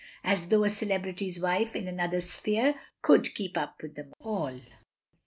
As though a celebrity's wife, in another sphere — could keep up with them all.